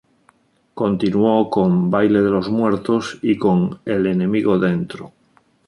Continuó con "Baile de los Muertos" y con "El Enemigo Dentro".